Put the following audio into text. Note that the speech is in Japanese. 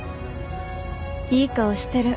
いい顔してる。